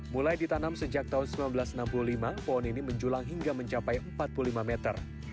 mulai ditanam sejak tahun seribu sembilan ratus enam puluh lima pohon ini menjulang hingga mencapai empat puluh lima meter